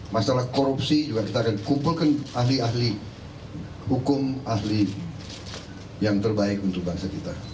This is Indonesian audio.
masalah korupsi juga kita akan kumpulkan ahli ahli hukum ahli yang terbaik untuk bangsa kita